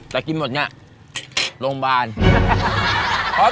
แต่กินหมดเนี่ยโรงพยาบาล